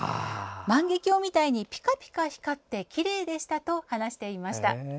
万華鏡みたいにピカピカ光ってきれいでしたと話していました。